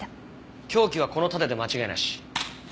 凶器はこの盾で間違いなし。